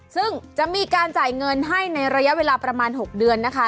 ซึ่งจะมีการจ่ายเงินให้ในระยะเวลาประมาณ๖เดือนนะคะ